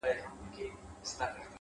o چي د صبر شراب وڅيښې ويده سه ـ